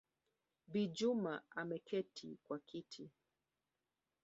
Bi Juma ameketi kwa kiti